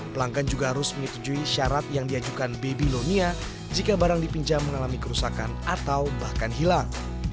pelanggan juga harus menyetujui syarat yang diajukan babylonia jika barang dipinjam mengalami kerusakan atau bahkan hilang